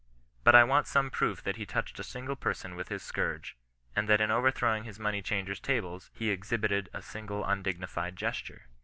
But I want some proof that he touched a single person with his scourge, and that in overthrowing the money changers' tables he exhibited a single undignified gesture.